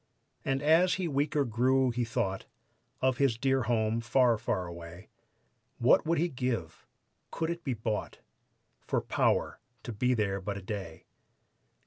And as he weaker grew he thought Of his dear home, far, far away; What would he give could it be bought For power to be there but a day.